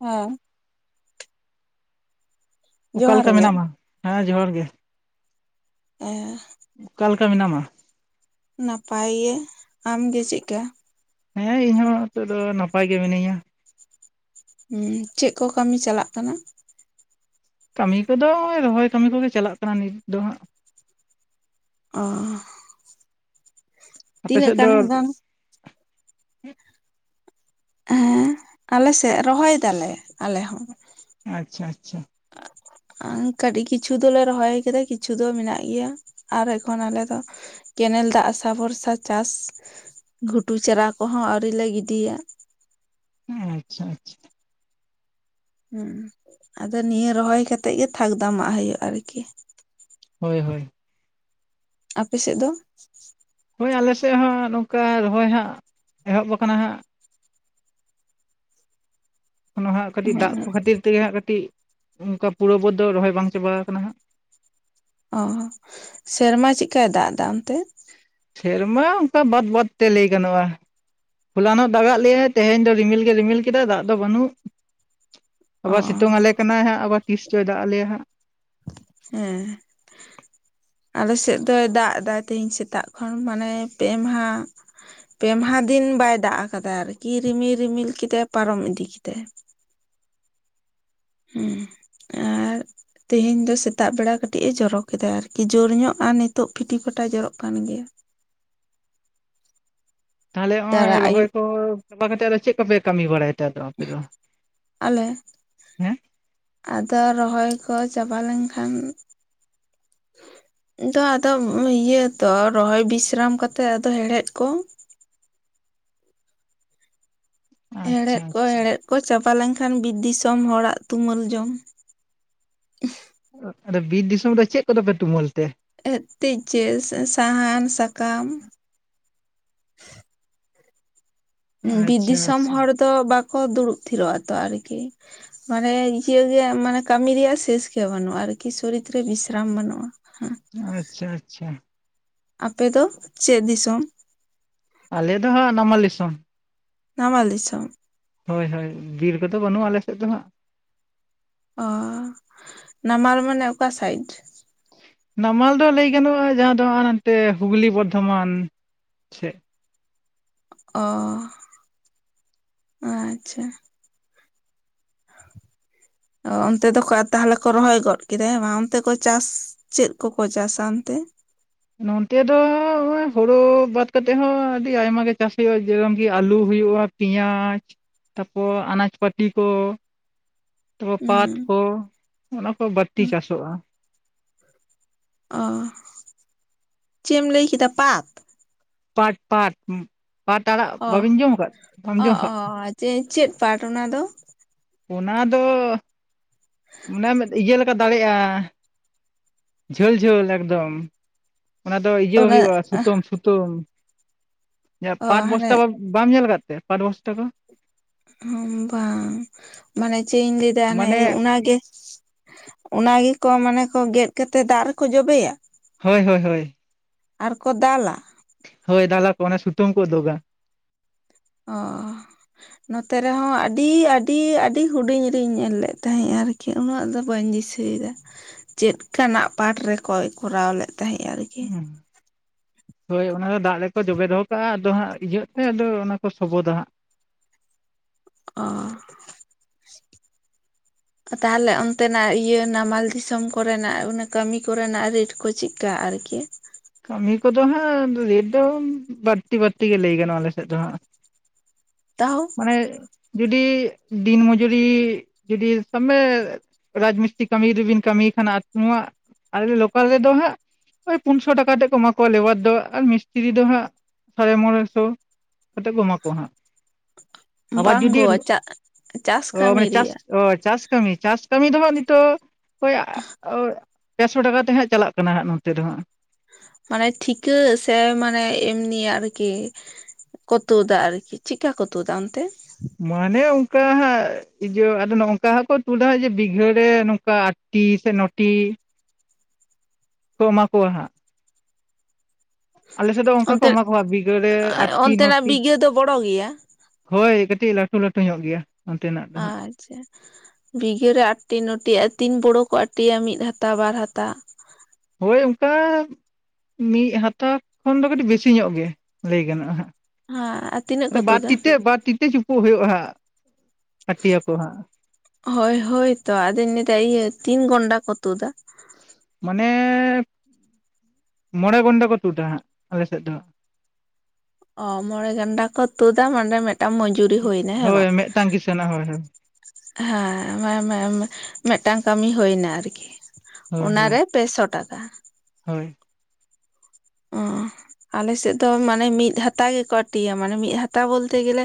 ᱦ ᱚᱠᱟ ᱡᱚᱦᱟᱨ ᱞᱮᱠᱟ ᱜᱮ ᱢᱮᱱᱟᱢᱟ ᱦᱮᱸ ᱡᱚᱦᱟᱨ ᱜᱮ ᱮᱻ ᱚᱠᱟᱞᱮ ᱞᱮᱠᱟ ᱢᱮᱱᱟᱢᱟ ᱱᱟᱯᱟᱭ ᱜᱮ ᱟᱢᱜᱮ ᱪᱮᱫᱠᱟ ᱦᱮᱸ ᱤᱧᱦᱚᱸ ᱱᱤᱛᱚᱜ ᱫᱚ ᱱᱟᱯᱟᱭ ᱜᱮ ᱢᱤᱱᱟᱹᱧᱟ ᱪᱮᱫ ᱠᱚ ᱠᱟᱹᱢᱤ ᱪᱟᱞᱟᱜ ᱠᱟᱱᱟ ᱠᱟᱹᱢᱤ ᱠᱚᱫᱚ ᱱᱚᱭ ᱨᱚᱦᱚᱭ ᱠᱟᱹᱢᱤ ᱠᱚᱜᱮ ᱪᱟᱞᱟᱜ ᱠᱟᱱᱟ ᱱᱤᱛ ᱫᱚ ᱦᱟᱸᱜ ᱚᱻ ᱟᱯᱮ ᱛᱤᱱᱟᱹᱜ ᱥᱮᱫ ᱜᱟᱱ ᱫᱚ ᱦᱮᱸ ᱟᱞᱮ ᱥᱮᱫ ᱨᱚᱦᱚᱭ ᱫᱟᱞᱮ ᱟᱞᱮ ᱦᱚᱸ ᱟᱪᱪᱷᱟ ᱟᱪᱪᱷᱟ ᱠᱟᱹᱴᱤᱡ ᱠᱤᱪᱷᱩ ᱫᱚᱞᱮ ᱨᱚᱦᱚᱭ ᱠᱟᱫᱟ ᱠᱤᱪᱷᱩ ᱫᱚ ᱢᱮᱱᱟᱜ ᱜᱮᱭᱟ ᱟᱨ ᱮᱠᱷᱚᱱ ᱟᱞᱮ ᱫᱚ ᱠᱮᱱᱮᱞ ᱫᱟᱜ ᱟᱥᱟ ᱵᱷᱚᱨᱥᱟ ᱪᱟᱥ ᱜᱷᱩᱴᱩ ᱪᱟᱨᱟ ᱠᱚᱦᱚᱸ ᱟᱹᱣᱨᱤ ᱞᱮ ᱜᱤᱰᱤᱭᱟ ᱟᱪᱪᱷᱟ ᱟᱪᱪᱷᱟ ᱦᱩᱸ ᱟᱫᱚ ᱱᱤᱭᱟᱹ ᱨᱚᱦᱚᱭ ᱠᱟᱛᱮᱜ ᱜᱮ ᱛᱷᱟᱠ ᱫᱟᱢᱟᱜ ᱦᱩᱭᱩᱜᱼᱟ ᱟᱨᱠᱤ ᱦᱳᱭ ᱦᱳᱭ ᱟᱯᱮ ᱥᱮᱫ ᱫᱚ ᱦᱳᱭ ᱟᱞᱮ ᱥᱮᱫ ᱦᱚᱸ ᱱᱚᱝᱠᱟ ᱨᱚᱦᱚᱭ ᱦᱟᱸᱜ ᱮᱦᱚᱵ ᱟᱠᱟᱱᱟ ᱦᱟᱸᱜ ᱮᱠᱷᱚᱱᱳ ᱦᱟᱸᱜ ᱠᱟᱹᱴᱤᱡ ᱫᱟᱜ ᱠᱚ ᱠᱷᱟᱹᱛᱤᱨ ᱛᱮᱜᱮ ᱦᱟᱸᱜ ᱠᱟᱹᱴᱤᱡ ᱚᱱᱠᱟ ᱯᱩᱨᱟᱹ ᱵᱟᱹᱫᱽ ᱫᱚ ᱨᱚᱦᱚᱭ ᱵᱟᱝ ᱪᱟᱵᱟ ᱟᱠᱟᱱᱟ ᱾ ᱚ ᱥᱮᱨᱢᱟ ᱪᱮᱫ ᱠᱟᱭ ᱫᱟᱜ ᱮᱫᱟ ᱚᱱᱛᱮ ᱥᱮᱨᱢᱟ ᱚᱱᱠᱟ ᱵᱟᱹᱫᱽ ᱵᱟᱹᱫᱽ ᱛᱮ ᱞᱟᱹᱭ ᱜᱟᱱᱚᱜᱼᱟ ᱾ ᱦᱚᱞᱟᱱᱚᱜ ᱫᱟᱜᱟᱜ ᱞᱮᱟᱭ ᱛᱮᱦᱮᱧ ᱫᱚ ᱨᱤᱢᱤᱞ ᱜᱮ ᱨᱤᱢᱤᱞ ᱠᱮᱫᱟᱭ ᱫᱟᱜ ᱫᱚ ᱵᱟᱹᱱᱩᱜ ᱾ ᱚ ᱟᱵᱟᱨ ᱥᱤᱛᱩᱝ ᱟᱞᱮ ᱠᱟᱱᱟᱭ ᱦᱟᱸᱜ ᱟᱵᱟᱨ ᱛᱤᱥ ᱪᱚᱭ ᱫᱟᱜ ᱟᱞᱮᱭᱟ ᱦᱟᱸᱜ ᱾ ᱦᱮᱸ ᱟᱞᱮ ᱥᱮᱫ ᱫᱚᱭ ᱫᱟᱜ ᱮᱫᱟ ᱛᱮᱦᱤᱧ ᱥᱮᱛᱟᱜ ᱠᱷᱚᱱ ᱢᱟᱱᱮ ᱯᱮ ᱢᱟᱦᱟ ᱯᱮ ᱢᱟᱦᱟ ᱫᱤᱱ ᱵᱟᱭ ᱫᱟᱜ ᱟᱠᱟᱫᱟ ᱟᱨᱠᱤ ᱨᱤᱢᱤᱞ ᱨᱤᱢᱤᱞ ᱠᱮᱫᱟᱭ ᱯᱟᱨᱚᱢ ᱤᱫᱤ ᱠᱮᱫᱟᱭ ᱾ ᱦᱮᱸ ᱟᱨ ᱛᱮᱦᱮᱧ ᱫᱚ ᱥᱮᱛᱟᱜ ᱵᱮᱲᱟ ᱠᱟᱹᱴᱤᱡ ᱮ ᱡᱚᱨᱚ ᱠᱮᱫᱟ ᱟᱨᱠᱤ ᱡᱳᱨ ᱧᱚᱜ ᱟᱨ ᱱᱤᱛᱚᱜ ᱯᱷᱤᱴᱤ ᱯᱷᱴᱟᱭ ᱡᱚᱨᱚᱜ ᱠᱟᱱ ᱜᱮᱭᱟ ᱛᱟᱦᱚᱞᱮ ᱛᱟᱨᱟ ᱱᱚᱜ-ᱚᱭ ᱨᱚᱦᱚᱭ ᱟᱹᱭᱩᱵ ᱠᱚ ᱪᱟᱵᱟ ᱠᱟᱛᱮᱜ ᱪᱮᱫ ᱠᱚᱯᱮ ᱠᱟᱹᱢᱤ ᱵᱟᱲᱟᱭᱟ ᱟᱞᱮ ᱦᱮᱸ ᱟᱫᱚ ᱨᱚᱦᱚᱭ ᱠᱚ ᱪᱟᱵᱟ ᱞᱮᱱ ᱠᱷᱟᱱ ᱫᱚ ᱟᱫᱚ ᱤᱭᱟᱹ ᱛᱚ ᱨᱚᱦᱚᱭ ᱵᱤᱥᱨᱟᱢ ᱠᱟᱛᱮ ᱟᱫᱚ ᱦᱮᱲᱮᱫ ᱠᱚ ᱟᱪᱪᱷᱟ ᱦᱮᱲᱮᱫ ᱠᱚ ᱟᱪᱪᱷᱟ ᱦᱮᱲᱮᱫ ᱠᱚ ᱪᱟᱵᱟ ᱞᱮᱱᱠᱷᱟᱱ ᱵᱤᱨᱤ ᱫᱤᱥᱚᱢ ᱦᱚᱲᱟᱜ ᱛᱩᱢᱟᱹᱞ ᱡᱚᱢ ᱾ ᱟᱫᱚ ᱵᱤᱨ ᱫᱤᱥᱚᱢ ᱨᱮ ᱪᱮᱫ ᱠᱚᱫᱚ ᱯᱮ ᱛᱩᱢᱟᱹᱞ ᱛᱮ ᱛᱮ ᱪᱮ ᱥᱟᱦᱟᱱ ᱥᱟᱠᱟᱢ ᱵᱤᱨ ᱟᱪᱪᱷᱟ ᱫᱤᱥᱚᱢ ᱟᱪᱪᱷᱟ ᱦᱚᱲ ᱫᱚ ᱵᱟᱠᱚ ᱫᱩᱲᱩᱵ ᱛᱷᱤᱨᱚᱜ ᱟᱛᱚ ᱟᱨᱠᱤ ᱢᱟᱱᱮ ᱤᱭᱥᱮ ᱢᱟᱱᱮ ᱠᱟᱹᱢᱤ ᱨᱮᱭᱟᱜ ᱥᱮᱥ ᱜᱮ ᱵᱟᱹᱱᱩᱜᱼᱟ ᱟᱨᱠᱤ ᱥᱚᱨᱤᱛ ᱨᱮ ᱵᱤᱥᱨᱟᱢ ᱵᱟᱹᱱᱩᱜᱼᱟ ᱾ ᱟᱪᱷᱟ ᱟᱪᱷᱟ ᱾ ᱟᱯᱮ ᱫᱚ ᱪᱮᱫ ᱫᱤᱥᱚᱢ? ᱟᱞᱮ ᱫᱚ ᱦᱟᱸᱜ ᱱᱟᱢᱟᱞ ᱫᱤᱥᱚᱢ ᱾ ᱱᱟᱢᱟᱞ ᱫᱤᱥᱚᱢ ᱦᱳᱭ ᱦᱳᱭ ᱵᱤᱨ ᱠᱚᱫᱚ ᱵᱟᱹᱱᱩᱜᱼᱟ ᱟᱞᱮ ᱥᱮᱫ ᱫᱚ ᱦᱟᱸᱜ ᱾ ᱚ ᱱᱟᱢᱟᱞ ᱢᱟᱱᱮ ᱚᱠᱟ ᱥᱟᱭᱤᱰ ᱱᱟᱢᱟᱞ ᱫᱚ ᱞᱟᱹᱭ ᱜᱟᱱᱚᱜᱼᱟ ᱡᱟᱦᱟᱸ ᱫᱚ ᱦᱟᱱᱛᱮ ᱦᱩᱜᱽᱞᱤ ᱵᱚᱨᱫᱷᱚᱢᱟᱱ ᱥᱮᱫ ᱚ ᱟᱪᱷᱟ ᱚᱱᱛᱮ ᱫᱚᱠᱚ ᱛᱟᱦᱚᱞᱮ ᱠᱚ ᱨᱚᱦᱚᱭ ᱜᱚᱫ ᱠᱮᱫᱟ ᱵᱟᱝ ᱚᱱᱛᱮ ᱠᱚ ᱪᱟᱥ ᱪᱮᱫ ᱠᱚᱠᱚ ᱪᱟᱥᱟ ᱚᱱᱛᱮ ᱱᱚᱱᱛᱮ ᱫᱚ ᱱᱚᱜᱼᱚᱭ ᱦᱳᱲᱩ ᱵᱟᱫ ᱠᱟᱛᱮ ᱦᱚᱸ ᱟᱹᱰᱤ ᱟᱭᱢᱟ ᱜᱮ ᱪᱟᱥ ᱦᱩᱭᱩᱜᱼᱟ ᱡᱮ ᱨᱚᱠᱚᱢ ᱠᱤ ᱟᱹᱞᱩ ᱦᱩᱭᱩᱜᱼᱟ ᱾ ᱯᱮᱭᱟᱡᱽ ᱛᱟᱯᱚᱨ ᱟᱱᱟᱡᱽ ᱯᱟᱹᱛᱤ ᱠᱚ ᱛᱟᱯᱚᱨ ᱯᱟᱴ ᱦᱩᱸ ᱠᱚ ᱚᱱᱟ ᱠᱚ ᱵᱟᱹᱲᱛᱤ ᱪᱟᱥᱚᱜᱼᱟ ᱾ ᱚ ᱪᱮᱫ ᱮᱢ ᱞᱟᱹᱭ ᱠᱮᱫᱟ ᱯᱟᱛ ᱯᱟᱴ ᱯᱟᱴ ᱯᱟᱴ ᱟᱲᱟᱜ ᱵᱟᱵᱤᱱ ᱡᱚᱢ ᱟᱠᱟᱫ ᱵᱟᱢ ᱡᱚᱢ ᱟᱠᱟᱫ ᱪᱮ ᱪᱮᱫ ᱯᱟᱴ ᱚᱱᱟ ᱫᱚ ᱚᱱᱟ ᱫᱚ ᱚᱱᱮ ᱤᱭᱟᱹ ᱞᱮᱠᱟ ᱫᱟᱲᱮᱜᱼᱟ ᱾ ᱡᱷᱟᱹᱞ ᱡᱷᱟᱹᱞ ᱮᱠᱫᱚᱢ ᱚᱱᱟ ᱫᱚ ᱤᱭᱟᱹ ᱚᱱᱟ ᱦᱩᱭᱩᱜᱼᱟ ᱥᱩᱛᱟᱹᱢ ᱥᱩᱛᱟᱹᱢ ᱚ ᱯᱟᱴ ᱵᱚᱥᱛᱟ ᱦᱟᱱᱮ ᱵᱟᱵᱚ ᱵᱟᱢ ᱧᱮᱞ ᱟᱠᱟᱫ ᱛᱮ ᱯᱟᱴ ᱵᱚᱥᱛᱟ ᱠᱚ ᱵᱟᱝ ᱢᱟᱱᱮ ᱪᱮᱫ ᱤᱧ ᱞᱟᱹᱭᱫᱟ ᱚᱱᱮ ᱢᱟᱱᱮ ᱚᱱᱟ ᱜᱮ ᱚᱱᱟ ᱜᱮ ᱠᱚ ᱢᱟᱱᱮ ᱠᱚ ᱜᱮᱫ ᱠᱟᱛᱮ ᱫᱟᱜ ᱨᱮᱠᱚ ᱡᱚᱵᱮᱭᱟ ᱦᱳᱭ ᱦᱳᱭ ᱦᱳᱭ ᱾ ᱟᱨ ᱠᱚ ᱫᱟᱞᱟ ᱦᱳᱭ ᱫᱟᱞᱟ ᱠᱚ ᱥᱩᱛᱟᱹᱢ ᱠᱚ ᱩᱰᱩᱜᱟ ᱚᱸᱻ᱾ ᱱᱚᱛᱮ ᱨᱮᱦᱚᱸ ᱟᱹᱰᱤ ᱟᱹᱰᱤ ᱟᱹᱰᱤ ᱦᱩᱰᱤᱧ ᱨᱤᱧ ᱧᱮᱞ ᱞᱮᱫ ᱛᱟᱦᱮᱸᱜ ᱟᱨᱠᱤ ᱩᱱᱟᱹᱜ ᱫᱚ ᱵᱟᱹᱧ ᱫᱤᱥᱟᱹᱭᱮᱫᱟ ᱪᱮᱫ ᱠᱟᱱᱟᱜ ᱯᱟᱴ ᱨᱮᱠᱚ ᱠᱚᱨᱟᱣ ᱞᱮᱫ ᱛᱟᱦᱮᱸᱫ ᱟᱨᱠᱤ? ᱦᱩᱸ ᱦᱳᱭ ᱚᱱᱟ ᱫᱚ ᱫᱟᱜ ᱨᱮᱠᱚ ᱡᱚᱵᱮ ᱫᱚᱦᱚ ᱠᱟᱜᱼᱟ ᱟᱫᱚ ᱦᱟᱸᱜ ᱤᱭᱟᱹᱜ ᱛᱮ ᱟᱫᱚ ᱚᱱᱟ ᱠᱚ ᱥᱚᱵᱚᱫᱟ ᱦᱟᱸᱜ ᱚᱻ ᱾ [inaudible] ᱛᱟᱦᱚᱞᱮ ᱚᱱᱛᱮᱱᱟᱜ ᱤᱭᱟᱹ ᱱᱟᱢᱟᱞ ᱫᱤᱥᱚᱢ ᱠᱚᱨᱮᱱᱟᱜ ᱚᱱᱟ ᱠᱟᱹᱢᱤ ᱠᱚᱨᱮᱱᱟᱜ ᱨᱮᱴ ᱠᱚ ᱪᱮᱫ ᱴᱠᱟ [inaudible] ᱟᱨᱠᱤ ᱾ ᱠᱟᱹᱢᱤ ᱠᱚᱫᱚ ᱦᱟᱸᱜ ᱨᱮᱹᱴ ᱫᱚ ᱵᱟᱹᱲᱛᱤ ᱵᱟᱹᱲᱛᱤ ᱜᱮ ᱞᱟᱹᱭ ᱜᱟᱱᱚᱜᱼᱟ ᱟᱞᱮ ᱥᱮᱫ ᱫᱚ ᱦᱟᱸᱜ [unintelligible] ᱛᱟᱣ ᱢᱟᱱᱮ ᱡᱩᱫᱤ ᱫᱤᱱ ᱢᱚᱡᱩᱨᱤ ᱡᱩᱫᱤ ᱥᱟᱵ ᱢᱮ ᱨᱟᱡᱽ ᱢᱤᱥᱛᱨᱤ ᱠᱟᱹᱢᱤ ᱨᱮᱵᱤᱱ ᱠᱟᱹᱢᱤᱭ ᱠᱟᱱᱟ ᱟ ᱟᱞᱮ ᱞᱳᱠᱟᱞ ᱨᱮᱫᱚ ᱦᱟᱸᱜ ᱦᱚᱭ ᱯᱩᱱ ᱥᱚ ᱴᱟᱠᱟ ᱠᱟᱛᱮᱮᱫ ᱠᱚ ᱮᱢᱟ ᱠᱚᱣᱟ ᱞᱮᱵᱟᱨ ᱫᱚ ᱟᱨ ᱢᱤᱥᱛᱤᱨᱤ ᱫᱚ ᱦᱟᱸᱜ ᱥᱟᱲᱮ ᱢᱚᱬᱮ ᱥᱚ ᱠᱟᱛ ᱠᱚ ᱮᱢᱟ ᱠᱚᱣᱟ ᱦᱟᱸᱜ ᱟᱵᱟᱨ ᱵᱟᱝ ᱡᱩᱫᱤ ᱜᱚ ᱪᱟᱥ ᱠᱟᱹᱢᱤ ᱢᱟᱱᱮ ᱪᱟᱥ ᱨᱮᱭᱟᱜ ᱪᱟᱥ ᱠᱟᱹᱢᱤ ᱪᱟᱥ ᱠᱟᱹᱢᱤ ᱫᱚ ᱦᱟᱸᱜ ᱱᱤᱛᱚᱜ ᱚᱠᱚᱭ [unintelligible] ᱪᱟᱥᱚ ᱴᱟᱠᱟ ᱠᱟᱛᱮ ᱦᱟᱸᱜ ᱪᱟᱞᱟᱜ ᱠᱟᱱᱟ ᱦᱟᱸᱜ ᱱᱚᱛᱮ ᱫᱚ ᱦᱟᱸᱜ ᱢᱟᱱᱮ ᱴᱷᱤᱠᱟᱹ ᱥᱮ ᱢᱟᱱᱮ ᱮᱢᱱᱤ ᱟᱨᱠᱤ ᱠᱚᱛᱩ ᱫᱟ ᱟᱨᱠᱤ ᱪᱮᱫᱠᱟ ᱠᱚᱛᱩ ᱫᱟ ᱚᱱᱛᱮ ᱢᱟᱱᱮ ᱚᱱᱠᱟ ᱦᱟᱸᱜ ᱤᱭᱟᱹ ᱟᱫᱚ ᱱᱚ ᱝᱠᱟ ᱦᱟᱸᱜ ᱠᱚ ᱛᱩᱫᱟ ᱡᱮ ᱵᱤᱜᱷᱟᱹᱨᱮ ᱱᱚᱝᱠᱟ ᱴᱤ ᱥᱮ ᱱᱚᱴᱤ? ᱠᱚ ᱮᱢᱟ ᱠᱚᱣᱟ ᱦᱟᱸᱜ᱾ ᱟᱞᱮ ᱥᱮᱜ ᱫᱚ ᱚᱱᱠᱟ ᱠᱚ ᱚᱱᱛᱮ ᱮᱢᱟ ᱠᱚᱣᱟ ᱵᱤᱜᱷᱟᱹᱲᱮ ᱟᱴ ᱴᱤ ᱱᱚ ᱚᱱᱛᱮᱱᱟᱜ ᱴᱤ᱾ ᱵᱤᱜᱷᱟᱹ ᱫᱚ ᱵᱚᱲᱚ ᱜᱮᱭᱟ ᱦᱳᱭ, ᱠᱟᱹᱴᱤᱡ ᱞᱟᱹᱴᱩ ᱞᱟᱹᱴᱩ ᱧᱚᱜ ᱜᱮᱭᱟ᱾ ᱚᱱᱛᱮᱱᱟᱜ ᱫᱚ ᱦᱟᱸᱜ ᱟᱨ, ᱟᱪᱪᱷᱟ ᱵᱤᱜᱷᱟᱹᱨᱮ ᱟᱴᱴᱤ ᱱᱚ ᱴᱤ ᱛᱤᱱ ᱵᱳᱲᱚ ᱠᱚ ᱟᱴᱤᱭᱟ? ᱢᱤᱫ ᱦᱟᱛᱟ ᱵᱟᱨ ᱦᱟᱛᱟ, ᱦᱳᱭ ᱚᱱᱠᱟ ᱢᱤᱜ ᱦᱟᱛᱟ ᱠᱷᱚᱱ ᱫᱚ ᱠᱟᱹᱴᱤᱡ ᱵᱮᱥᱤ ᱧᱚᱜ ᱜᱮ ᱞᱟᱹᱭ ᱜᱟᱱᱚᱜᱼᱟ ᱦᱟᱸᱜ᱾ ᱦᱮᱸ ᱟᱨ ᱛᱤᱱᱟᱹᱜ ᱠᱚ ᱵᱟᱨ ᱛᱩᱫᱟ ᱛᱤᱛᱮ ᱵᱟᱨ ᱛᱤᱛᱮ ᱪᱩᱯᱩᱜ ᱦᱳᱭᱳᱜᱼᱟ ᱦᱟᱸᱜ ᱟᱹᱴᱤᱭᱟᱠᱚ ᱦᱟᱸᱜ᱾ ᱦᱳᱭ ᱦᱳᱭᱛᱚ ᱟᱫᱚᱧ ᱞᱟᱹᱭ ᱫᱟ ᱤᱭᱟᱹ ᱛᱤᱱ ᱜᱷᱚᱱᱰᱟ ᱠᱚ ᱛᱳᱫᱟ? ᱢᱟᱱᱮ ᱢᱚᱬᱮ ᱜᱷᱚᱱᱰᱟ ᱠᱚ ᱛᱩᱫᱟ ᱦᱟᱸᱜ ᱟᱞᱮᱥᱮᱜ ᱫᱚ᱾ ᱚ ᱢᱚᱬᱮ ᱜᱟᱱᱰᱟ ᱠᱚ ᱛᱩᱫᱟ ᱢᱟᱱᱮ ᱚᱸᱰᱮ ᱢᱤᱫᱴᱟᱝ ᱢᱚᱡᱩᱨᱤ ᱦᱩᱭ ᱱᱟ ᱦᱮᱸ ᱦᱳᱭ ᱵᱟᱝ? ᱢᱤᱫᱴᱟᱝ ᱠᱤᱥᱟᱹᱱᱟᱜ ᱦᱳᱭ ᱦᱳᱭ ᱦᱮᱸ ᱢᱤᱫᱴᱟᱝ ᱠᱟᱹᱢᱤ ᱦᱳᱭᱱᱟ ᱟᱨᱠᱤ᱾ ᱦᱳᱭ ᱚᱱᱟᱨᱮ ᱯᱮᱥᱚ ᱴᱟᱠᱟ᱾ ᱦᱳᱭ᱾ ᱚ ᱟᱞᱮ ᱥᱮᱜ ᱫᱚ ᱢᱟᱱᱮ ᱢᱤᱫ ᱦᱟᱛᱟ ᱜᱮᱠᱚ ᱟᱴᱤᱭᱟ ᱢᱟᱱᱮ ᱢᱤᱜ ᱦᱟᱛᱟ ᱵᱚᱞᱛᱮ ᱜᱮᱞᱮ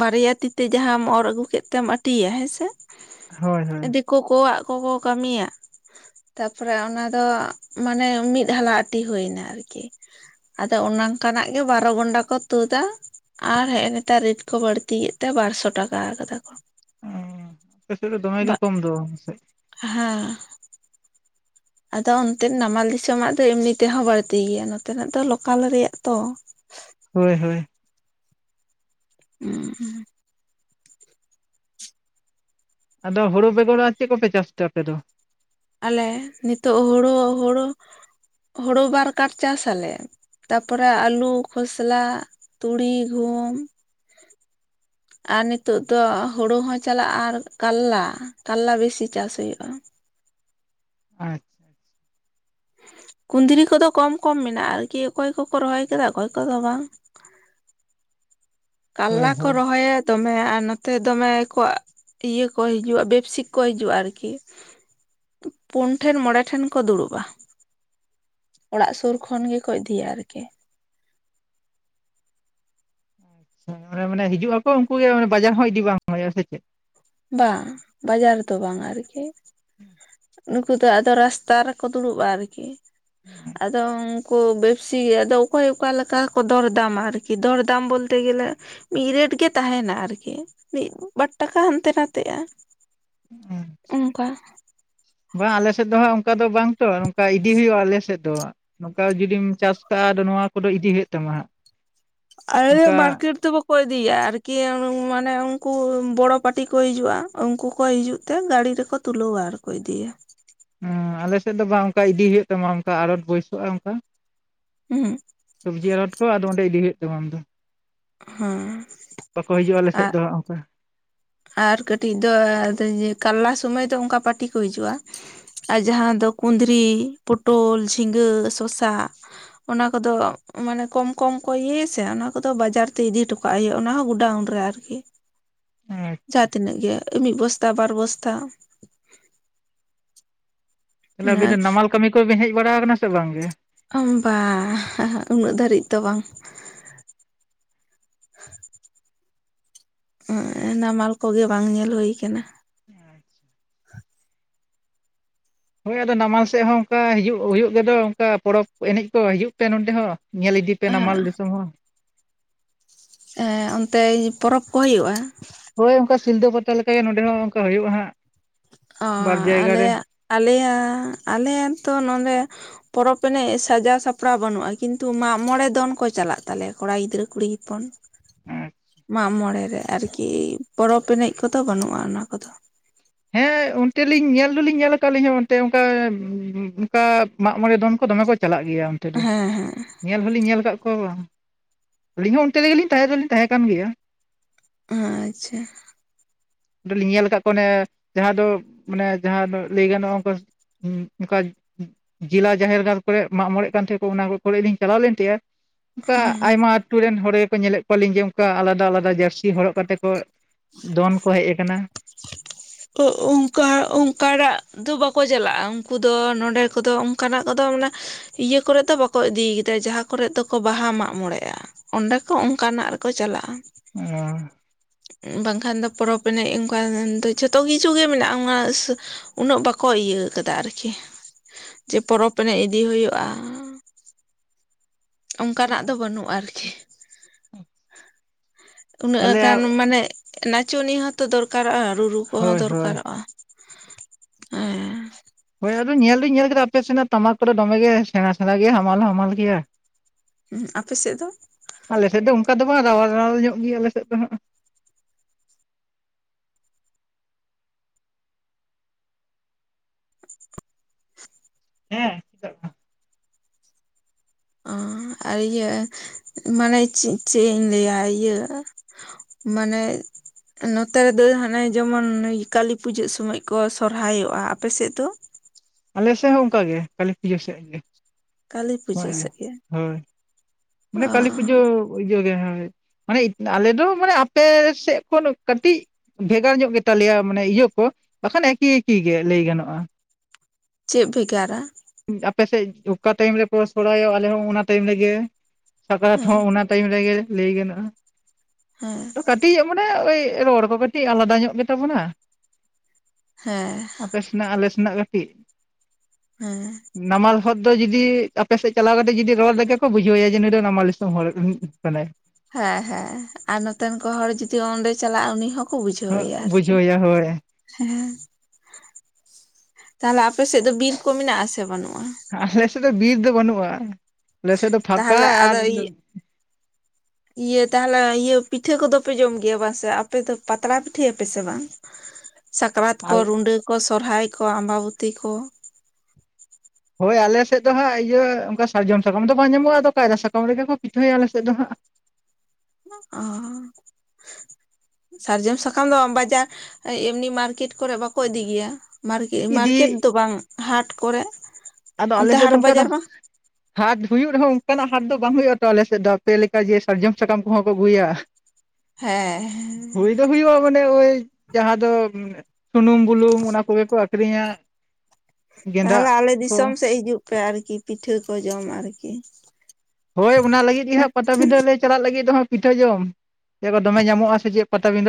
ᱵᱟᱨᱭᱟ ᱛᱤᱛᱮ ᱡᱟᱦᱟᱸᱟᱢ ᱚᱨ ᱟᱹᱜᱩ ᱠᱮᱜ ᱛᱮᱢ ᱟᱹᱴᱤᱭᱟ ᱦᱮᱸᱥᱮ? ᱦᱳᱭ ᱦᱳᱭ᱾ ᱠᱚᱠᱚᱣᱟᱜ ᱠᱚᱠᱚ ᱠᱟᱹᱢᱤᱭᱟ᱾ ᱛᱟᱯᱚᱨᱮ ᱚᱱᱟ ᱫᱚ ᱢᱟᱱᱮ ᱢᱤᱫ ᱦᱟᱞᱟ ᱟᱴᱤ ᱦᱩᱭᱱᱟ ᱟᱨᱠᱤ᱾ ᱟᱫᱚ ᱚᱱᱟᱝ ᱠᱟᱱᱟᱜ ᱜᱮ ᱵᱟᱨᱚ ᱜᱚᱱᱰᱟ ᱠᱚ ᱛᱩᱫᱟ᱾ ᱟᱨ ᱦᱮᱜᱼᱮ ᱱᱮᱛᱟᱨ ᱨᱮᱴ ᱠᱚ ᱵᱟᱹᱲᱛᱤ ᱭᱮᱫ ᱛᱮ ᱵᱟᱨᱥᱚ ᱴᱟᱠᱟ ᱟᱠᱟᱫᱟ ᱠᱚ᱾ ᱚ ᱟᱯᱮ ᱥᱮᱜ ᱫᱚ ᱫᱚᱢᱮ ᱜᱮ ᱵᱟᱜ ᱠᱚᱢ ᱫᱚ᱾ ᱥᱮ ᱦᱮᱸ᱾ ᱟᱫᱚ ᱚᱱᱛᱮ ᱱᱟᱢᱟᱞ ᱫᱤᱥᱚᱢᱟᱜ ᱫᱚ ᱮᱢᱱᱤ ᱛᱮᱦᱚᱸ ᱵᱟᱹᱲᱛᱤ ᱜᱮᱭᱟ, ᱱᱚᱛᱮ ᱱᱟᱜ ᱫᱚ ᱞᱚᱠᱟᱞ ᱨᱮᱭᱟᱜ ᱛᱚ᱾ ᱦᱳᱭ ᱦᱳᱭ᱾ ᱦᱩᱸ᱾ ᱟᱫᱚ ᱦᱳᱲᱳ ᱵᱮᱜᱚᱨ ᱟᱨ ᱪᱮᱜ ᱠᱚᱯᱮ ᱪᱟᱥᱛᱮ ᱟᱯᱮ ᱫᱚ? ᱟᱞᱮ ᱱᱤᱛᱚᱜ ᱦᱳᱲᱳ, ᱦᱳᱲᱳ, ᱦᱳᱲᱳ ᱵᱟᱨ ᱠᱟᱴ ᱪᱟᱥ ᱟᱞᱮ᱾ ᱛᱟᱯᱚᱨᱮ ᱟᱹᱞᱩ, ᱠᱷᱚᱥᱞᱟ, ᱛᱩᱲᱤ ᱜᱷᱩᱢ ᱟᱨ ᱱᱤᱛᱳᱜ ᱫᱚ ᱦᱳᱲᱳ ᱦᱚᱸ ᱪᱟᱞᱟᱜᱼᱟ, ᱟᱨ ᱠᱟᱞᱞᱟ, ᱠᱟᱞᱞᱟ ᱵᱮᱥᱤ ᱪᱟᱥ ᱦᱳᱭᱳᱜᱼᱟ᱾ ᱟᱪᱪᱷᱟ᱾ ᱠᱩᱸᱫᱽᱨᱤ ᱠᱚᱫᱚ ᱠᱚᱢ ᱠᱚᱢ ᱢᱮᱱᱟᱜᱼᱟ ᱟᱨᱠᱤ ᱚᱠᱚᱭ ᱠᱚᱠᱚ ᱨᱚᱦᱚᱭ ᱠᱟᱫᱟ ᱚᱠᱚᱭ ᱠᱚᱫᱚ ᱵᱟᱝ, ᱦᱳᱭ ᱠᱟᱞᱞᱟ ᱠᱚ ᱦᱳᱭ ᱨᱚᱦᱚᱭᱟ, ᱫᱚᱢᱮ ᱟᱨ ᱱᱚᱛᱮ ᱫᱚᱢᱮ ᱠᱚ ᱤᱭᱟᱹ ᱠᱚ ᱦᱤᱡᱩᱜᱼᱟ, ᱵᱮᱯᱥᱤᱠ ᱠᱚ ᱦᱤᱡᱩᱜᱼᱟ ᱟᱨᱠᱤ᱾ ᱯᱳᱱ ᱴᱷᱮᱱ ᱢᱚᱬᱮᱴᱷᱮᱱ ᱠᱚ ᱫᱩᱲᱩᱵ ᱟ᱾ ᱚᱲᱟᱜ ᱥᱳᱨ ᱠᱷᱚᱱ ᱜᱮᱠᱚ ᱤᱫᱤᱭᱟ ᱟᱨᱠᱤ᱾ ᱦᱮᱸ ᱮ ᱢᱟᱱᱮ ᱦᱤᱡᱩᱜ ᱟᱠᱚ ᱩᱱᱠᱩ ᱜᱮ ᱢᱟᱱᱮ ᱵᱟᱡᱟᱨ ᱦᱚᱸ ᱤᱫᱤ ᱵᱟᱝ ᱦᱩᱭᱩᱜᱼᱟ ᱥᱮ ᱪᱮᱫ? ᱵᱟᱝ, ᱵᱟᱡᱟᱨ ᱫᱚ ᱵᱟᱝ ᱟᱨᱠᱤ᱾ [inaudible] ᱱᱩᱠᱩ ᱫᱚ ᱟᱫᱚ ᱨᱟᱥᱛᱟ ᱨᱮᱠᱚ ᱫᱩᱲᱩᱵᱼᱟ ᱟᱨᱠᱤ᱾ ᱟᱫᱚ ᱠᱚ ᱵᱮᱯᱥᱤ ᱜᱮ ᱟᱫᱚ ᱚᱠᱚᱭ ᱚᱠᱟ ᱞᱮᱠᱟ ᱠᱚ ᱫᱚᱨᱫᱟᱢᱟ ᱟᱨᱠᱤ ᱫᱚᱨᱫᱟᱢ ᱵᱚᱞᱛᱮ ᱜᱮᱞᱮ ᱢᱤᱜ ᱨᱮᱴ ᱜᱮ ᱛᱟᱦᱮᱱᱟ᱾ ᱟᱨᱠᱤ ᱢᱤᱫ ᱵᱟᱨ ᱴᱟᱠᱟ ᱦᱟᱱᱛᱮ ᱦᱟᱱᱛᱮ ᱱᱟᱛᱮᱜᱼᱟ, ᱚᱱᱠᱟ ᱵᱟᱝ ᱟᱞᱮ ᱥᱮᱫ ᱫᱚ ᱦᱟᱸᱜ ᱚᱱᱠᱟ ᱫᱚ ᱵᱟᱝ ᱛᱚ ᱱᱚᱝᱠᱟ ᱤᱫᱤ ᱦᱩᱭᱩᱜᱼᱟ, ᱟᱞᱮ ᱥᱮᱜ ᱫᱚ᱾ ᱱᱚᱝᱠᱟ ᱡᱩᱫᱤᱢ ᱪᱟᱥ ᱠᱟᱜᱼᱟ ᱟᱫᱚ ᱱᱚᱣᱟ ᱠᱚᱫᱚ ᱤᱫᱤ ᱦᱳᱭᱳᱜ ᱛᱟᱢᱟ ᱦᱟᱸᱜ᱾ ᱟᱞᱮ ᱫᱚ ᱚᱱᱠᱟ ᱢᱟᱨᱠᱮᱴ ᱫᱚ ᱵᱟᱠᱳ ᱠᱚ ᱤᱫᱤᱭᱟ ᱟᱨᱠᱤ ᱢᱟᱱᱮ ᱩᱱᱠᱩ ᱵᱚᱲᱚ ᱯᱟᱹᱴᱤ ᱠᱚ ᱦᱤᱡᱩᱜᱼᱟ᱾ ᱩᱱᱠᱩ ᱠᱚ ᱦᱤᱡᱩᱜ ᱛᱮ ᱜᱟᱹᱲᱤ ᱨᱮᱠᱚ ᱛᱩᱞᱟᱹᱣᱟ ᱟᱨ ᱠᱚ ᱤᱫᱤᱭᱤᱭᱟ, ᱦᱚᱸ ᱟᱞᱮᱥᱮᱜ ᱫᱚ ᱵᱟᱝ ᱚᱱᱠᱟ ᱤᱫᱤ ᱦᱩᱭᱩᱜ ᱛᱟᱢᱟ ᱚᱱᱠᱟ ᱟᱲᱚᱛ ᱵᱟᱹᱭᱥᱟᱹᱜᱼᱟ ᱚᱱᱠᱟ᱾ [unintelligible] ᱥᱚᱵᱡᱤ ᱟᱲᱚᱛ ᱠᱚ ᱟᱫᱚ ᱚᱸᱰᱮ ᱤᱫᱤ ᱦᱩᱭᱩᱜ ᱛᱟᱢᱟ᱾ ᱟᱫᱚ ᱦᱮᱸ [unintelligible] ᱵᱟᱠᱚ ᱦᱤᱡᱩᱜᱼᱟ ᱟᱞᱮ ᱥᱮᱫ ᱟᱨ ᱫᱚ ᱦᱟᱸᱜ ᱚᱱᱠᱟ᱾ ᱟᱨ ᱠᱟᱹᱴᱤᱡ ᱫᱚ ᱟᱫᱚ ᱤᱭᱟᱹ ᱠᱟᱨᱞᱟ ᱥᱚᱢᱚᱭ ᱫᱚ ᱚᱱᱠᱟ ᱯᱟᱴᱤ ᱠᱚ ᱦᱤᱡᱩᱜᱼᱟ᱾ ᱟᱨ ᱡᱟᱦᱟᱸ ᱫᱚ ᱠᱩᱸᱫᱽᱨᱤ ᱯᱚᱴᱚᱞ ᱡᱷᱤᱸᱜᱟᱹ ᱥᱚᱥᱟ ᱚᱱᱟ ᱠᱚᱫᱚ ᱢᱟᱱᱮ ᱠᱚᱢ ᱠᱚᱢ ᱠᱚ ᱤᱭᱟᱹᱭ ᱟᱥᱮ ᱚᱱᱟ ᱠᱚᱫᱚ ᱵᱟᱡᱟᱨ ᱛᱮ ᱤᱫᱤ ᱦᱚᱴᱚᱠᱟᱜ ᱦᱩᱭᱩᱜᱼᱟ, ᱚᱱᱟ ᱦᱚᱸ ᱜᱩᱰᱟᱣᱩᱱ ᱨᱮ᱾ ᱟᱨᱠᱤ ᱟᱪᱪᱷᱟ ᱡᱟᱦᱟᱸ ᱛᱤᱱᱟᱹᱜ ᱜᱮ ᱢᱤᱫ ᱵᱚᱥᱛᱟ ᱵᱟᱨ ᱵᱚᱥᱛᱟ ᱛᱟᱦᱚᱞᱮ ᱟᱹᱵᱤᱱ ᱱᱟᱢᱟᱞ ᱠᱟᱹᱢᱤ ᱠᱚᱵᱤᱱ ᱦᱮᱡ ᱵᱟᱲᱟᱣ ᱟᱠᱟᱱᱟ ᱥᱮ ᱵᱟᱝᱜᱮ? [unintelligible] ᱵᱟᱝ ᱩᱱᱟᱹᱜ ᱫᱷᱟᱹᱨᱤᱡ ᱫᱚ ᱵᱟᱝ᱾ [unintelligible] [unintelligible] ᱱᱟᱢᱟᱞ ᱠᱚᱜᱮ ᱵᱟᱝ ᱧᱮᱞ ᱦᱩᱭ ᱠᱟᱱᱟ᱾ [unintelligible] ᱦᱳᱭ ᱟᱫᱚ ᱱᱟᱢᱟᱞ ᱥᱮᱫ ᱦᱚᱸ ᱚᱱᱠᱟ ᱦᱤᱡᱩᱜ ᱦᱩᱭᱩᱜ ᱜᱮᱫᱚ ᱚᱱᱠᱟ ᱯᱚᱨᱚᱵᱽ ᱮᱱᱮᱡ ᱠᱚ ᱦᱤᱡᱩᱜ ᱯᱮ ᱱᱚᱛᱮ ᱦᱚᱸ᱾ ᱧᱮᱞ ᱤᱫᱤᱯᱮ ᱱᱟᱢᱟᱞ ᱫᱤᱥᱚᱢ ᱦᱚᱸ᱾ ᱦᱮᱸ ᱚᱱᱛᱮ ᱯᱚᱨᱚᱵᱽ ᱠᱚ ᱦᱩᱭᱩᱜᱼᱟ᱾ ᱦᱳᱭ ᱚᱱᱠᱟ ᱥᱤᱞᱫᱟᱹ ᱯᱟᱛᱟ ᱞᱮᱠᱟᱜᱮ ᱱᱚᱰᱮ ᱦᱚᱸ ᱚᱱᱠᱟ ᱦᱩᱭᱩᱜᱼᱟ ᱦᱟᱸᱜ᱾ ᱚ ᱵᱟᱨ ᱡᱟᱭᱜᱟ ᱨᱮ ᱟᱞᱮᱭᱟᱜ [unintelligible] [unintelligible] ᱛᱚ ᱱᱚᱰᱮ ᱯᱚᱨᱚᱵᱽ ᱮᱱᱮᱡ ᱥᱟᱡᱟᱣ ᱥᱟᱯᱲᱟᱣ ᱵᱟᱹᱱᱩᱜᱼᱟ᱾ ᱠᱤᱱᱛᱩ ᱢᱟᱜᱽ ᱢᱚᱬᱮ ᱫᱚᱱ ᱠᱚ ᱪᱟᱞᱟᱜ ᱛᱟᱞᱮᱭᱟ ᱠᱚᱲᱟ ᱜᱤᱫᱽᱨᱟᱹ ᱠᱩᱲᱤ ᱦᱚᱯᱚᱱ [unintelligible] ᱢᱟᱜᱽᱢᱚᱬᱮ ᱨᱮ ᱟᱨᱠᱤ ᱯᱚᱨᱚᱵᱽ ᱮᱱᱮᱡ ᱠᱚᱫᱚ ᱵᱟᱹᱱᱩᱜᱼᱟ᱾ ᱚᱱᱟ ᱠᱚᱫᱚ ᱦᱮᱸ ᱚᱱᱛᱮ ᱞᱤᱧ ᱧᱮᱞ ᱫᱚᱞᱤᱧ ᱧᱮᱞ ᱟᱠᱟᱫ ᱟᱞᱤᱧ ᱦᱚᱸ ᱚᱱᱛᱮ ᱚᱱᱠᱟ [unintelligible] ᱢᱟᱜᱽᱢᱚᱬᱮ ᱫᱚᱱ ᱠᱚ ᱫᱚᱢᱮ ᱠᱚ ᱪᱟᱞᱟᱜ ᱜᱮᱭᱟ ᱚᱱᱛᱮ ᱫᱚ᱾ ᱦᱮᱸ ᱦᱮᱸ ᱧᱮᱞ ᱦᱚᱞᱤᱧ ᱧᱮᱞ ᱟᱠᱟᱫ ᱠᱚᱣᱟ ᱵᱟᱝ᱾ [unintelligible] ᱟᱹᱞᱤᱧ ᱦᱚᱸ ᱚᱱᱛᱮ ᱨᱮᱜᱮᱱᱞᱤᱧ ᱛᱟᱦᱮᱸ ᱫᱚᱞᱤᱧ ᱛᱟᱦᱮᱸ ᱠᱟᱱ ᱜᱮᱭᱟ᱾ ᱟᱪᱪᱷᱟ [unintelligible] [unintelligible] ᱞᱤᱧ ᱧᱮᱞ ᱟᱠᱟᱫ ᱠᱚᱣᱟ ᱚᱱᱮ ᱡᱟᱦᱟᱸ ᱫᱚ ᱢᱟᱱᱮ ᱡᱟᱦᱟᱸ ᱫᱚ ᱞᱟᱹᱭ ᱜᱟᱱᱚᱜᱼᱟ, ᱚᱱᱠᱟ ᱚᱱᱠᱟ [unintelligible] ᱡᱮᱞᱟ ᱡᱟᱦᱮᱨ ᱜᱟᱲ ᱠᱚᱨᱮ ᱢᱟᱜᱽᱢᱚᱬᱮᱜ ᱠᱟᱱ ᱛᱟᱦᱮᱸᱫ ᱠᱚ ᱚᱱᱟ ᱠᱚᱨᱮ ᱞᱤᱧ ᱪᱟᱞᱟᱣ ᱞᱮᱱ ᱛᱟᱦᱮᱫ-ᱟ ᱚᱱᱠᱟ ᱟᱭᱢᱟ ᱟᱹᱛᱳ ᱨᱮᱱ ᱦᱚᱲ ᱜᱮᱠᱚ ᱧᱮᱞᱮᱫ ᱠᱚᱣᱟᱞᱤᱧ ᱡᱮ ᱚᱱᱠᱟ ᱟᱞᱟᱫᱟ ᱟᱞᱟᱫᱟ ᱡᱟᱹᱨᱥᱤ ᱦᱚᱨᱚᱜ ᱠᱟᱛᱮ ᱠᱚ ᱫᱚᱱ ᱠᱚ ᱦᱮᱡ ᱟᱠᱟᱱᱟ᱾ ᱚ ᱚᱠᱟ ᱚᱱᱠᱟ ᱚᱱᱠᱟᱱᱟᱜ ᱫᱚ ᱵᱟᱠᱚ ᱪᱟᱞᱟᱜᱼᱟ᱾ ᱩᱱᱠᱩ ᱫᱚ ᱱᱚᱸᱰᱮ ᱠᱚᱫᱚ ᱚᱱᱠᱟᱱᱟᱜ ᱠᱚᱫᱚ ᱢᱟᱱᱮ ᱤᱭᱟᱹ ᱠᱚᱨᱮᱫᱚ ᱵᱟᱠᱚ ᱤᱫᱤ ᱟᱠᱟᱫᱟ ᱡᱟᱦᱟᱸ ᱠᱚᱨᱮᱜ ᱫᱚᱠᱚ ᱵᱟᱦᱟ ᱢᱟᱜ ᱢᱚᱸᱬᱮᱜᱼᱟ᱾ ᱚᱸᱰᱮ ᱠᱚ ᱚᱱᱠᱟᱱᱟᱜ ᱨᱮᱠᱚ ᱪᱟᱞᱟᱜᱼᱟ᱾ [unintelligible] ᱵᱟᱝᱠᱷᱟᱱ ᱫᱚ ᱯᱚᱨᱚᱵᱽ ᱮᱱᱮᱡ ᱚᱱᱠᱟ ᱫᱚ ᱡᱷᱚᱛᱚ ᱠᱤᱪᱷᱩ ᱜᱮ ᱢᱮᱱᱟᱜᱼᱟ [unintelligible] ᱩᱱᱟᱹᱜ ᱵᱟᱠᱚ ᱤᱭᱟᱹ ᱟᱠᱟᱫᱟ ᱟᱨᱠᱤ [unintelligible] ᱡᱮ ᱯᱚᱨᱚᱵᱽ ᱮᱱᱮᱡ ᱤᱫᱤ ᱦᱩᱭᱩᱜᱼᱟ ᱚᱱᱠᱟᱱᱟᱜ ᱫᱚ ᱵᱟᱹᱱᱩᱜᱼᱟ ᱟᱨᱠᱤ ᱩᱱᱟᱹᱜ ᱛᱟᱦᱚᱞᱮ ᱜᱟᱱ ᱢᱟᱱᱮ ᱱᱟᱪᱚᱱᱤᱭᱟᱹ ᱦᱚᱸᱛᱚ ᱫᱚᱨᱠᱟᱨᱚᱜᱼᱟ ᱨᱩᱨᱩ ᱠᱚᱦᱚᱸ ᱦᱳᱭ ᱦᱳᱭ ᱫᱚᱨᱠᱟᱨᱚᱜᱼᱟ [unintelligible] ᱮᱸ ᱦᱳᱭ ᱟᱫᱚ ᱧᱮᱞ ᱫᱚᱧ ᱧᱮᱞ ᱟᱠᱟᱮᱞᱫᱟ ᱟᱯᱮ ᱥᱮᱱᱟᱜ ᱴᱟᱢᱟᱠ ᱠᱚᱫᱚ ᱫᱚᱢᱮᱜᱮ ᱜᱮ ᱥᱮᱬᱟ ᱥᱮᱬᱟ ᱜᱮᱭᱟ ᱦᱟᱢᱟᱞ ᱦᱚᱸ ᱦᱟᱢᱟᱞ ᱜᱮᱭᱟ ᱦᱮᱸ ᱟᱯᱮ ᱥᱮᱫ ᱫᱚ ᱟᱞᱮᱥᱮᱫ ᱫᱚ ᱚᱱᱠᱟ ᱫᱚ ᱵᱟᱝ ᱨᱟᱣᱟᱞ ᱨᱟᱣᱟᱞ ᱧᱚᱜ ᱜᱮᱭᱟ ᱟᱞᱮ ᱥᱮᱫ ᱫᱚ ᱦᱟᱸᱜ ᱦᱮᱸ ᱪᱮᱫᱟᱜ ᱵᱟᱝ ᱚ ᱟᱨ ᱤᱭᱟᱹ ᱢᱟᱱᱮ ᱪᱮᱫ ᱤᱧ ᱞᱟᱹᱭᱟ ᱤᱭᱟᱹ [unintelligible] ᱢᱟᱱᱮ ᱱᱚᱛᱮ ᱨᱮᱫᱚ ᱦᱟᱱᱮ ᱡᱮᱢᱚᱱ ᱠᱟᱹᱞᱤ ᱯᱩᱡᱟᱹᱜ ᱥᱚᱢᱚᱭ ᱠᱚ ᱥᱚᱨᱦᱟᱭᱚᱜᱼᱟ᱾ ᱟᱯᱮᱥᱮᱫ ᱫᱚ? ᱟᱞᱮ ᱥᱮᱫ ᱦᱚᱸ ᱚᱱᱠᱟ ᱜᱮ ᱠᱟᱹᱞᱤ ᱯᱩᱡᱟᱹ ᱥᱮᱫ ᱜᱮ ᱠᱟᱹᱞᱤ ᱯᱩᱡᱟᱹ [unintelligible] ᱥᱮᱫ ᱜᱮ ᱦᱳᱭ [unintelligible] ᱚ [unintelligible] ᱠᱟᱹᱞᱤ ᱯᱩᱡᱟᱹ ᱤᱡᱟᱹ ᱜᱮ ᱦᱟᱜ ᱢᱟᱱᱮ ᱟᱞᱮ ᱫᱚ ᱢᱟᱱᱮ ᱟᱯᱮ ᱥᱮᱫ ᱠᱷᱚᱱ ᱠᱟᱹᱴᱤᱡ ᱵᱷᱮᱜᱟᱨ ᱧᱚᱜ ᱜᱮ ᱛᱟᱞᱮᱭᱟ ᱢᱟᱱᱮ ᱤᱭᱟᱹ ᱠᱚ ᱵᱟᱠᱷᱟᱱ ᱮᱠᱤ ᱮᱠᱤ ᱜᱮ ᱞᱟᱹᱭ ᱜᱟᱱᱚᱜᱼᱟ ᱪᱮᱫ ᱵᱷᱮᱜᱟᱨᱟ? ᱟᱯᱮᱥᱮᱫ ᱚᱠᱟ ᱴᱟᱭᱤᱢ ᱨᱮ ᱯᱮ ᱥᱚᱨᱦᱟᱭᱚᱜᱟ ᱟᱞᱮ ᱦᱚᱸ ᱚᱱᱟ ᱴᱟᱭᱤᱢ ᱨᱮᱜᱮ ᱥᱟᱠᱨᱟᱛ ᱦᱮᱸ ᱦᱚᱸ ᱚᱱᱟ ᱴᱟᱭᱤᱢ ᱨᱮᱜᱮ ᱞᱟᱹᱭ ᱦᱮᱸ ᱜᱟᱱᱚᱜ-ᱟ ᱠᱟᱹᱴᱤᱡ ᱢᱟᱱᱮ ᱳᱭ ᱨᱚᱲ ᱠᱚ ᱠᱟᱹᱴᱤᱡ ᱟᱞᱟᱫᱟ ᱧᱚᱜ ᱜᱮᱛᱟᱵᱚᱱᱟ ᱦᱮᱸ ᱟᱯᱮ ᱥᱮᱱᱟᱜ ᱟᱞᱮ ᱥᱮᱱᱟᱜ ᱠᱟᱹᱴᱤᱡ ᱦᱮᱸ ᱱᱟᱢᱟᱞ ᱦᱚᱲ ᱫᱚ ᱡᱩᱫᱤ ᱟᱯᱮᱥᱮᱫ ᱪᱟᱞᱟᱣ ᱠᱟᱛᱮ ᱡᱩᱫᱤ ᱨᱚᱲ ᱞᱮᱠᱟ ᱠᱚ ᱵᱩᱡᱷᱟᱹᱣ ᱮᱭᱟ ᱡᱮ ᱱᱩᱭ ᱫᱚ ᱱᱟᱢᱟᱞ ᱫᱤᱥᱚᱢ ᱦᱚᱲ ᱠᱟᱱᱟᱭ ᱦᱮᱸ ᱦᱮᱸ ᱟᱨ ᱱᱚᱛᱮᱱ ᱠᱚ ᱦᱚᱲ ᱡᱩᱫᱤ ᱚᱸᱰᱮ ᱪᱟᱞᱟᱜ-ᱟ ᱩᱱᱤ ᱦᱚᱸ ᱵᱩᱡᱷᱟᱹᱣᱭᱟ ᱟᱨᱠᱤ ᱵᱩᱡᱷᱟᱹᱣᱮᱭᱟ ᱦᱳᱭ ᱦᱮᱸ ᱛᱟᱦᱚᱞᱮ ᱟᱯᱮ ᱥᱮᱫ ᱫᱚ ᱵᱤᱨ ᱠᱚ ᱢᱮᱱᱟᱜ-ᱟ ᱥᱮ ᱵᱟᱹᱱᱩᱜ-ᱟ ᱟᱞᱮᱥᱮᱫ ᱫᱚ ᱵᱤᱨ ᱫᱚ ᱵᱟᱹᱱᱩᱜ-ᱟ ᱟᱞᱮᱥᱮᱫ ᱫᱚ ᱯᱷᱟᱠᱟ ᱛᱟᱦᱚᱞᱮ ᱟᱨ ᱟᱫᱚ ᱤᱭᱟᱹ ᱛᱟᱦᱚᱞᱮ ᱤᱭᱟᱹ ᱯᱤᱴᱷᱟᱹ ᱠᱚᱫᱚᱯᱮ ᱡᱚᱢ ᱜᱮᱭᱟ ᱵᱟᱝ ᱥᱮ ᱟᱯᱮ ᱫᱚ ᱯᱟᱛᱲᱟ ᱯᱤᱴᱷᱟᱹᱭᱟᱯᱮ ᱥᱮ ᱵᱟᱝ [unintelligible] ᱥᱟᱠᱨᱟᱛ ᱠᱚ ᱟᱞ ᱨᱩᱱᱰᱟᱹ ᱠᱚ ᱥᱚᱨᱦᱟᱭ ᱠᱚ ᱟᱢᱵᱟᱵᱚᱛᱤ ᱠᱚ ᱦᱳᱭ ᱟᱞᱮ ᱥᱮᱫ ᱫᱚ ᱦᱟᱸᱜ ᱤᱭᱟᱹ ᱚᱱᱠᱟ ᱥᱟᱨᱡᱚᱢ ᱥᱟᱠᱟᱢ ᱫᱚ ᱵᱟᱝ ᱧᱟᱢᱚᱜ-ᱟ ᱟᱫᱚ ᱠᱟᱭᱨᱟ ᱥᱟᱠᱟᱢ ᱨᱮᱜᱮ ᱠᱚ ᱯᱤᱴᱷᱟᱹᱭᱟ ᱟᱞᱮᱥᱮᱫ ᱫᱚ ᱦᱟᱸᱜ ᱚ ᱥᱟᱨᱡᱚᱢ ᱥᱟᱠᱟᱢ ᱫᱚ ᱵᱟᱡᱟᱨ ᱮᱢᱱᱤ ᱢᱟᱨᱠᱮᱴ ᱠᱚᱨᱮ ᱵᱟᱠᱚ ᱤᱫᱤ ᱜᱮᱭᱟ ᱢᱟᱨᱠᱮ ᱤᱫᱤ ᱢᱟᱨᱠᱮᱴ ᱫᱚ ᱵᱟᱝ ᱦᱟᱴ ᱠᱚᱨᱮ ᱟᱫᱚ ᱟᱞᱮ ᱚᱱᱛᱮ ᱥᱮᱫ ᱫᱚ ᱦᱟᱴ ᱚᱱᱠᱟ ᱫᱚ ᱵᱟᱡᱟᱨ ᱵᱟᱝ ᱦᱟᱴ ᱦᱩᱭᱩᱜ ᱨᱮᱦᱚᱸ ᱚᱱᱠᱟᱱᱟᱜ ᱦᱟᱴ ᱫᱚ ᱵᱟᱝ ᱦᱩᱭᱩᱜ-ᱟ ᱛᱚ ᱟᱞᱮᱥᱮᱫ ᱫᱚ ᱟᱯᱮ ᱞᱮᱠᱟ ᱡᱮ ᱥᱟᱨᱡᱚᱢ ᱥᱟᱠᱟᱢ ᱠᱚᱦᱚᱸ ᱠᱚ ᱟᱹᱜᱩᱭᱟ [unintelligible] ᱦᱮᱸ ᱦᱩᱭᱩᱜ-ᱟ ᱢᱟᱱᱮ ᱳᱭ ᱡᱟᱦᱟᱸ ᱫᱚ ᱥᱩᱱᱩᱢ ᱵᱩᱞᱩᱝ ᱚᱱᱟ ᱠᱚᱜᱮ ᱠᱚ ᱟᱹᱠᱷᱨᱤᱧᱟ ᱜᱮᱸᱫᱟᱜ ᱛᱟᱦᱚᱞᱮ ᱟᱞᱮ ᱠᱚ ᱫᱤᱥᱚᱢ ᱥᱮᱫ ᱦᱤᱡᱩᱜ ᱯᱮ ᱟᱨᱠᱤ ᱯᱤᱴᱷᱟᱹ ᱠᱚ ᱡᱚᱢ ᱟᱨᱠᱤ ᱦᱳᱭ ᱚᱱᱟ ᱞᱟᱹᱜᱤᱫ ᱜᱮ ᱦᱟᱸᱜ ᱯᱟᱴᱟ ᱵᱤᱱᱫᱟᱹ ᱞᱮ ᱪᱟᱞᱟᱜ ᱞᱟᱹᱜᱤᱫᱦ ᱯᱤᱴᱷᱟᱹ ᱡᱚᱢ ᱮᱜᱚ ᱫᱚᱢᱮ ᱧᱟᱢᱚᱜ-ᱟ ᱥᱮ ᱪᱮᱫ ᱯᱟᱴᱟᱵᱤᱱᱫᱟᱹ